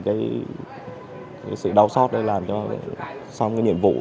cái sự đau xót đây làm cho xong cái nhiệm vụ